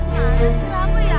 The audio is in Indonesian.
gak ada siapa ya